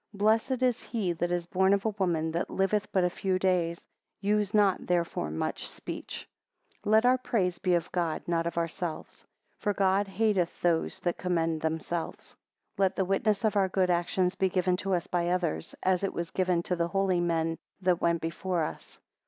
Blessed is he that is born of a woman, that liveth but a few days: use not therefore much speech. 7 Let our praise be of God, not of ourselves; for God hateth those that commend themselves. 8 Let the witness of our good actions be given to us by others, as it was given to the holy men that went before us.